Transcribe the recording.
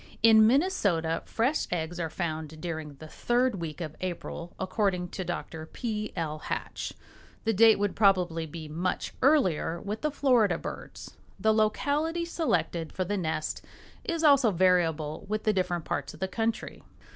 In Minnesota fresh eggs are found during the third week of April, according to Dr. P. L. Hatch. The date would probably be much earlier with the Florida birds. The locality selected for the nest is also variable with the different parts of the country.